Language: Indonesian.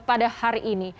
pada hari ini